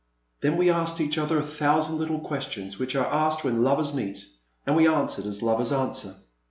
*' Then we asked each other a thousand little questions which are asked when lovers meet, and we answered as lovers answer.